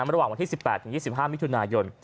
ระหว่างวันที่๑๘๒๕มิถุนายน